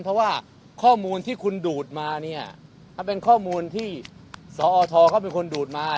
เพราะว่าข้อมูลที่คุณดูดมาเนี่ยมันเป็นข้อมูลที่สอทเขาเป็นคนดูดมา